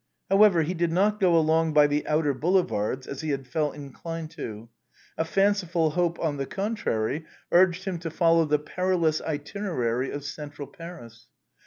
However, he did not go along by the outer Boulevards, as he had felt inclined to. A fanciful hope, on the contrary, urged him to follow the perilous itinerary of central Paris.